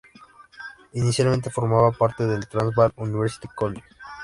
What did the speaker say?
Inicialmente formaba parte del Transvaal University College.